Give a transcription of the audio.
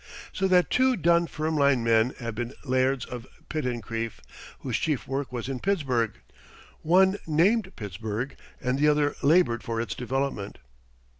So that two Dunfermline men have been Lairds of Pittencrieff whose chief work was in Pittsburgh. One named Pittsburgh and the other labored for its development.